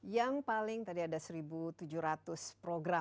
yang paling tadi ada satu tujuh ratus program